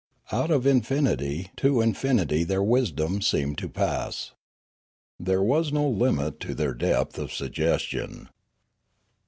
Out of infinity into infinity their wisdom seemed to pass. There was no limit to their depth of suggestion.